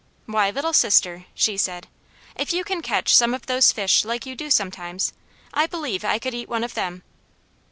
"Why, Little Sister," she said, "if you can catch some of those fish like you do sometimes, I believe I could eat one of them."